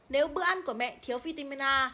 nếu bữa ăn của mẹ thiếu vitamin a